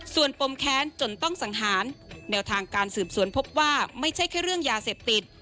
ส่วนปมแค้นจนต้องสังหารแนวทางการสืบสวนพบว่าไม่ใช่แค่เรื่องยาเสพติด